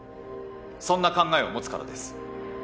そんな考えを持つからです。